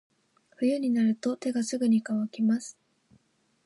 冬になると手がすぐに乾きます。